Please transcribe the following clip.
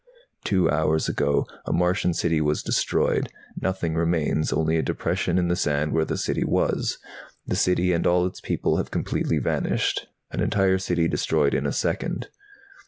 "Two hours ago a Martian city was destroyed. Nothing remains, only a depression in the sand where the city was. The city and all its people have completely vanished. An entire city destroyed in a second!